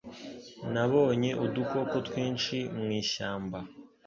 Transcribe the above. Nabonye udukoko twinshi mu ishyamba